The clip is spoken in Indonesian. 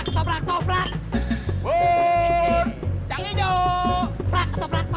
teprak teprak teprak